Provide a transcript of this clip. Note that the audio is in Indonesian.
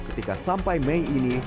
ketika sampai mei ini